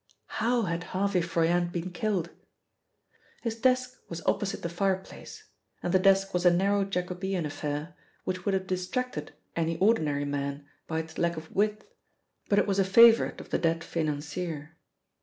How had Harvey Froyant been killed? His desk was opposite the fire place, and the desk was a narrow Jacobean affair which would have distracted any ordinary man by its lack of width, but it was a favourite of the dead financier.